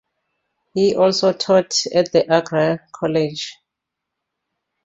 He also taught at the Agra College.